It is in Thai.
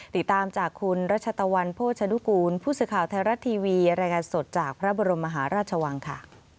ติดตามจากคุณรัชตะวันโภชนุกูลผู้สื่อข่าวไทยรัฐทีวีรายงานสดจากพระบรมมหาราชวังค่ะ